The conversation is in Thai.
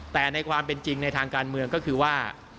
แต่ในความเป็นจริงในทางการเมืองก็คือว่า